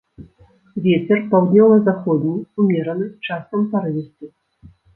Вецер паўднёва-заходні ўмераны, часам парывісты.